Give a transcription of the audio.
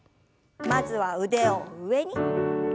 まずは腕を上に。